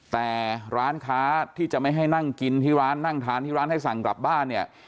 แต่ร้านค้าที่จะไม่ให้นั่งกินที่ร้านนั่งทานที่ร้านให้สั่งกลับบ้านเนี่ย